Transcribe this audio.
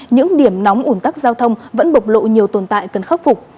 những điểm nóng ủn tắc giao thông vẫn bộc lộ nhiều tồn tại cần khắc phục